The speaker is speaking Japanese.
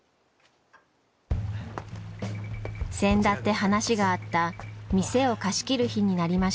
せんだって話があった店を貸し切る日になりました。